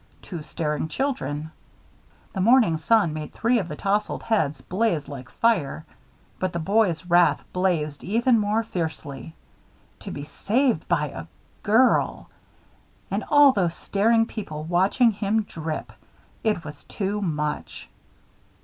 Two staring children. The morning sun made three of the tousled heads blazed like fire. But the boy's wrath blazed even more fiercely. To be saved by a girl! And all those staring people watching him drip! It was too much.